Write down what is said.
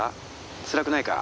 つらくないか？